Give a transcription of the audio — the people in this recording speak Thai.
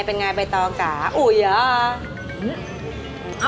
เป็นไงไปต่อก่าอุยา